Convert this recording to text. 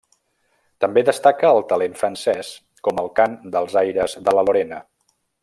També destaca el talent francès, com el cant dels aires de la Lorena.